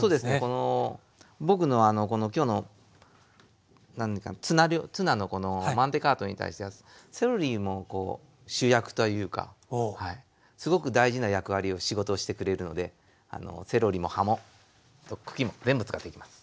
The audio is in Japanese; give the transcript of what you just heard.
この僕の今日のツナのマンテカートに対してはセロリもこう主役というかすごく大事な役割を仕事をしてくれるのでセロリも葉も茎も全部使っていきます。